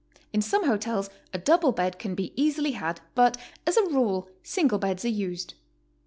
In some hotels a double bed can be easily had, but as a rule single beds are used.